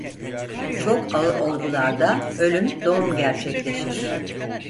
Çok ağır olgularda ölüm doğum gerçekleşir.